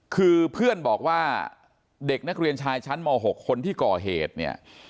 คือเพื่อนบอกว่าเด็กนักเรียนชายชั้นม๖คนที่ก่อเหตุเนี่ย